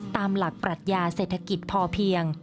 ตามหลักปรัชญาเศรษฐกิจพอเพียง